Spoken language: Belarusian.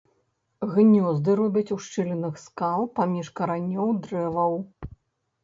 Гнёзды робіць у шчылінах скал, паміж каранёў дрэваў.